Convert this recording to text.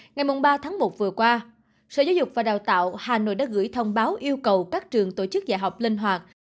ngày ba tháng một vừa qua sở giáo dục và đào tạo hà nội đã gửi thông báo yêu cầu các trường tổ chức dạy học linh hoạt